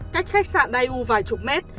cách khách sạn daewoo vài chục mét